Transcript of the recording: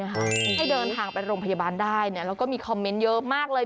ให้เดินทางไปโรงพยาบาลได้แล้วก็มีคอมเมนต์เยอะมากเลย